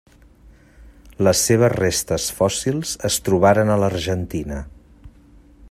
Les seves restes fòssils es trobaren a l'Argentina.